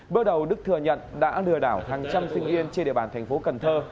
bước đầu đức thừa nhận đã lừa đảo hàng trăm sinh viên trên địa bàn thành phố cần thơ